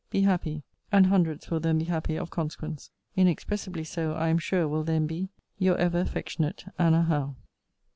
Be happy: and hundreds will then be happy of consequence. Inexpressibly so, I am sure, will then be Your ever affectionate ANNA HOWE.